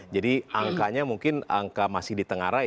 jadi angkanya mungkin angka masih ditentukan